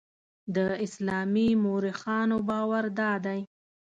د اسلامي مورخانو باور دادی.